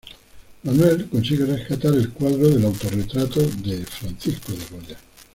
Manuel consigue rescatar el cuadro del autorretrato de Francisco de Goya.